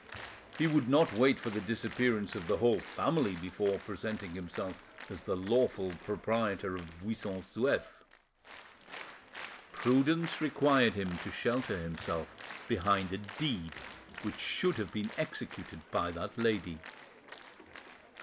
He would not wait for the disappearance of the whole family before presenting himself as the lawful proprietor, of Buisson Souef. Prudence required him to shelter himself behind a deed which should have been executed by that lady.